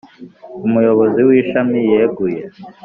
Umuyobozi w ‘Ishami yeguye.